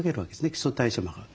基礎代謝も上がる。